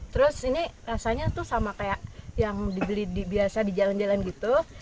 terus ini rasanya tuh sama kayak yang dibeli biasa di jalan jalan gitu